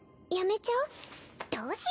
やめちゃう？